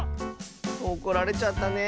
おこられちゃったね。